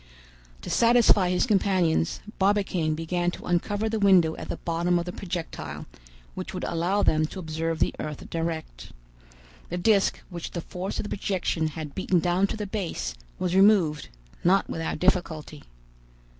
To satisfy his companions, Barbicane began to uncover the window at the bottom of the projectile, which would allow them to observe the earth direct. The disc, which the force of the projection had beaten down to the base, was removed, not without difficulty.